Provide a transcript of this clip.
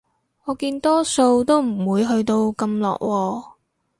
我見多數都唔會去到咁落喎